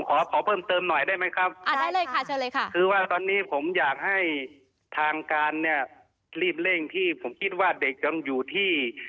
ขอขอเพิ่มเติมหน่อยได้ไหมครับอ่าได้เลยค่ะเชิญเลยค่ะคือว่าตอนนี้ผมอยากให้ทางการเนี่ยรีบเร่งที่ผมคิดว่าเด็กยังอยู่ที่